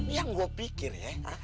yang gua pikir ya ha